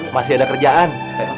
masih ada kerjaan